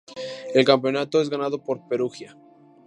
El campeonato es ganado por Perugia.